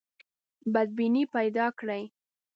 بدبیني پیدا کړي.